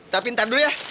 tapi ntar dulu ya